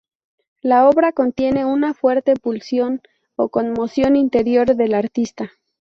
La obra contiene una fuerte pulsión o conmoción interior del artista.